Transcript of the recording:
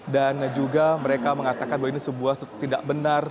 dan juga mereka mengatakan bahwa ini sebuah tidak benar